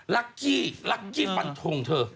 รักกี่รักกี่ฟันฐงท่วงเธอ